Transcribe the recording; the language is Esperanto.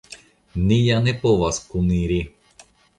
Ni ja ne povas kuniri.